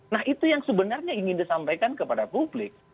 nah itu yang sebenarnya ingin disampaikan kepada publik